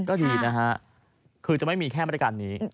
ก็ดีนะฮะคือจะไม่มีแค่มาตรการนี้